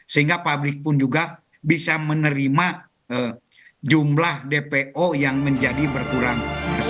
sehingga publik pun juga bisa menerima jumlah dpo yang menjadi berkurang